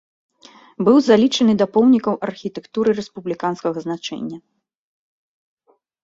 Быў залічаны да помнікаў архітэктуры рэспубліканскага значэння.